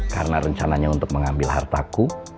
karena rencananya untuk mengambil hartaku